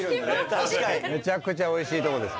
確かにめちゃくちゃおいしいとこです